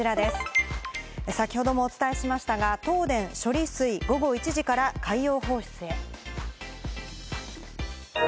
そして２位はこちらです、先ほどもお伝えしましたが、東電処理水、午後１時から海洋放出へ。